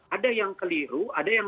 ada yang keliru ada yang